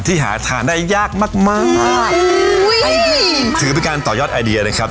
หาทานได้ยากมากมากอุ้ยถือเป็นการต่อยอดไอเดียนะครับ